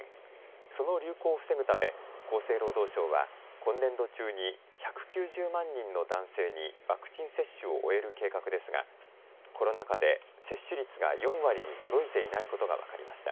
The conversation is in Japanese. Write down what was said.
その流行を防ぐため厚生労働省は今年度中に１９０万人の男性にワクチン接種を終える計画ですがコロナ禍で接種率が４割に届いていないことが分かりました。